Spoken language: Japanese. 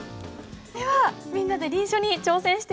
ではみんなで臨書に挑戦してみましょう。